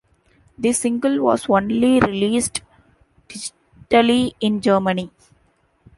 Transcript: The single was only released digitally in Germany.